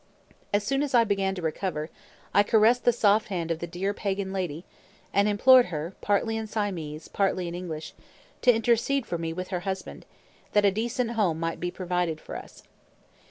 As soon as I began to recover, I caressed the soft hand of the dear pagan lady, and implored her, partly in Siamese, partly in English, to intercede for me with her husband, that a decent home might be provided for us.